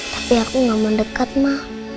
tapi aku gak mau deket ma